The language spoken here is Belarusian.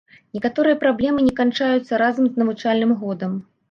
Некаторыя праблемы не канчаюцца разам з навучальным годам.